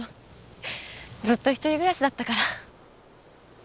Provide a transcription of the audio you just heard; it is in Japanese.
ずっと１人暮らしだったから。